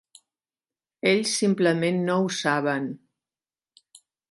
Ells simplement no ho saben.